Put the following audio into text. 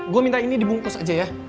gue minta ini dibungkus aja ya